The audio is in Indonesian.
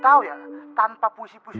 dia mereka tube rocky